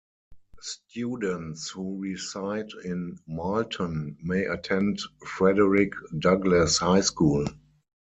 Students who reside in Marlton may attend Frederick Douglass High School.